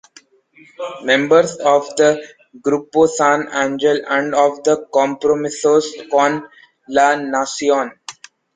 Member of the Grupo San Angel and of the Compromisos con la Nación.